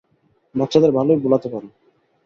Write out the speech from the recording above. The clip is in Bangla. বাচ্চাদের ভালোই ভোলাতে পারো।